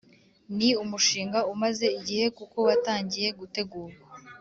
Ni umushinga umaze igihe kuko watangiye gutegurwa